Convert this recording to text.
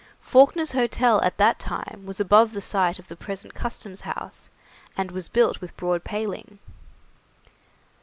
Fawkner's Hotel at that time was above the site of the present customs House, and was built with broad paling.